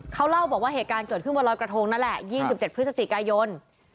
เขาเล่าบอกว่าเหตุการณ์เกิดขึ้นวันรอยกระทงนั่นแหละ๒๗พฤศจิกายน